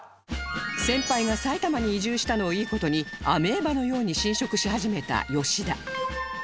先輩が埼玉に移住したのをいい事にアメーバのように侵食し始めた吉田